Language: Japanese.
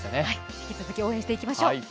引き続き、応援していきましよう。